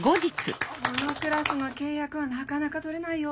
このクラスの契約はなかなか取れないよ。